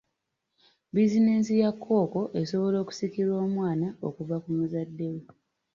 Buzinensi ya kkooko esobola okusikirwa omwana okuva ku muzadde we.